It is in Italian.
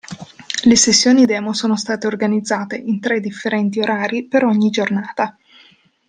Le sessioni Demo sono state organizzate in tre differenti orari per ogni giornata.